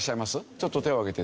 ちょっと手を挙げて。